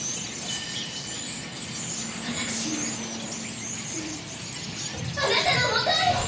私もすぐにあなたのもとへ！